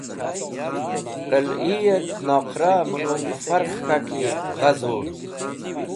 Qẽlhit noqraẽ mẽlungi farkh k̃hak gha zur.